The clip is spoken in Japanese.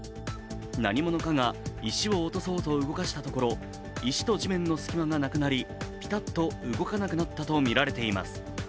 何者かが石を落とそうと動かしたところ石と地面の隙間がなくなり、ピタッと動かなくなったとみられています。